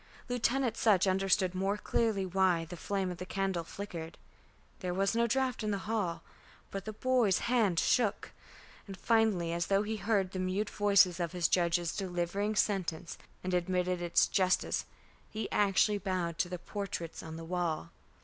Lieutenant Sutch understood more clearly why the flame of the candle flickered. There was no draught in the hall, but the boy's hand shook. And finally, as though he heard the mute voices of his judges delivering sentence and admitted its justice, he actually bowed to the portraits on the wall.